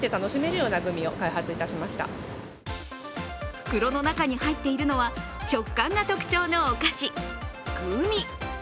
袋の中に入っているのは食感が特徴のお菓子、グミ。